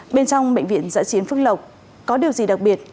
bên trong bệnh viện giã chiến phước lộc có điều gì đặc biệt